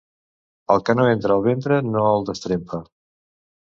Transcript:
El que no entra al ventre no el destrempa.